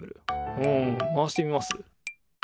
うん回してみます？